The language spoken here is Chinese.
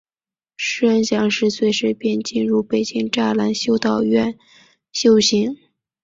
师恩祥十岁时便进入北京栅栏修道院修行。